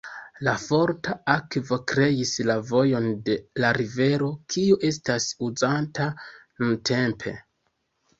La forta akvo kreis la vojon de la rivero kiu estas uzanta nuntempe.